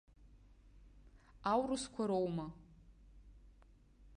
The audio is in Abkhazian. Аурысқәа роума?